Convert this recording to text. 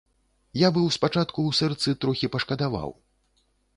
Я быў спачатку ў сэрцы трохі пашкадаваў.